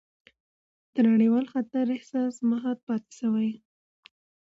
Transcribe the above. د نړیوال خطر احساس محتاط پاتې شو،